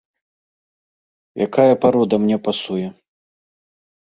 Якая парода мне пасуе?